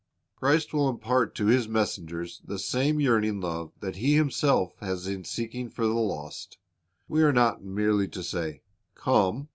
"* Christ will impart to His messengers the same yearning love that He Himself has in seeking for the lost. We are not merely to say, "Come."